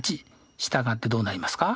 従ってどうなりますか？